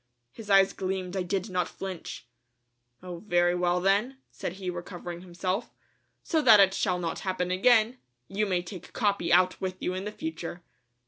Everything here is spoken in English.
His eyes gleamed. I did not flinch. "Oh, very well, then," said he, recovering himself; "so that it shall not happen again, you may take Capi out with you in the future."